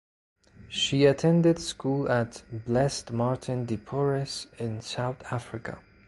She attended school at Blessed Martin de Porres in South Africa.